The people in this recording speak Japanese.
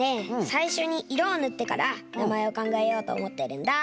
さいしょにいろをぬってからなまえをかんがえようとおもってるんだ。